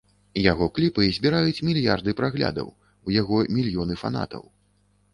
Яго кліпы збіраюць мільярды праглядаў, у яго мільёны фанатаў.